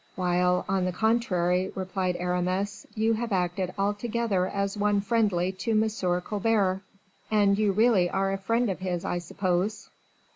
"While, on the contrary," replied Aramis, "you have acted altogether as one friendly to M. Colbert. And you really are a friend of his, I suppose?"